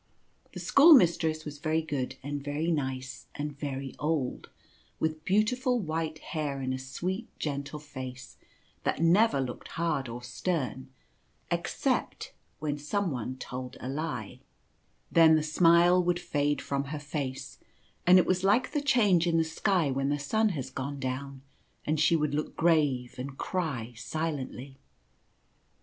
The school mistress was very good and very nice and very old, with beautiful white hair and a sweet gentle face that never looked hard or stern, except when some one told a lie. 126 tfhe Beautiful City. Then the smile would fade from her face ; and it was like the change in the sky when the sun has gone down, and she would look grave, and cry silently.